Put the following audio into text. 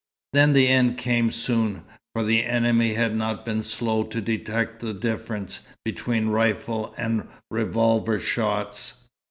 Then the end came soon, for the enemy had not been slow to detect the difference between rifle and revolver shots.